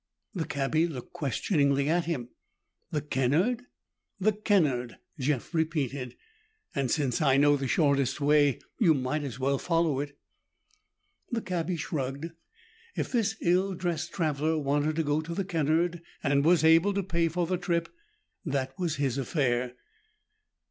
The cabbie looked questioningly at him. "The Kennard?" "The Kennard," Jeff repeated, "and since I know the shortest way, you might as well follow it." The cabbie shrugged; if this ill dressed traveler wanted to go to the Kennard, and was able to pay for the trip, that was his affair.